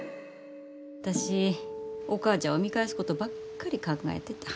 私お母ちゃんを見返すことばっかり考えてた。